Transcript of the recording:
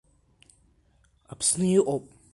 Аԥсны иҟоуп.